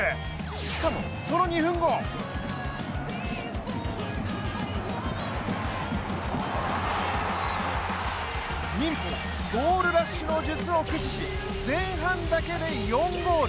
しかも、その２分後忍法ゴールラッシュの術を駆使し前半だけで４ゴール。